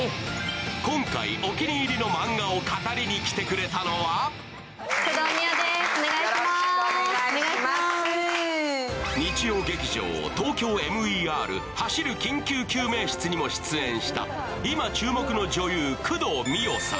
今回、お気に入りのマンガを語りに来てくれたのは日曜劇場「ＴＯＫＹＯＭＥＲ走る救急救命室」にも出演した今注目の女優、工藤美桜さん。